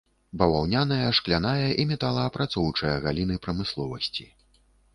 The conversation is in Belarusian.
Баваўняная, шкляная і металаапрацоўчая галіны прамысловасці.